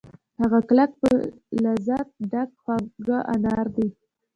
هغه کلک په لذت ډک خواږه انار دي